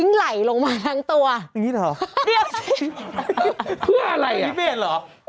นี่ไม่เห็นเหรอ